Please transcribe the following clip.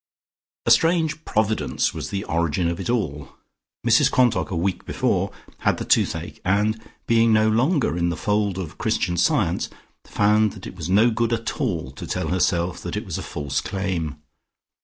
A strange Providence was the origin of it all. Mrs Quantock, a week before, had the toothache, and being no longer in the fold of Christian Science, found that it was no good at all to tell herself that it was a false claim.